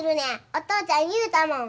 お父ちゃん言うたもん。